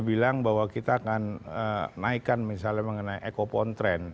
sedang bahwa kita akan naikkan misalnya mengenai ekopontren